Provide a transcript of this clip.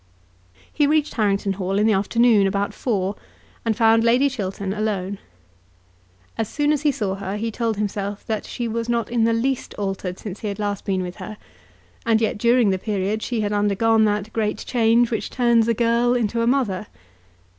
He reached Harrington Hall in the afternoon about four, and found Lady Chiltern alone. As soon as he saw her he told himself that she was not in the least altered since he had last been with her, and yet during the period she had undergone that great change which turns a girl into a mother.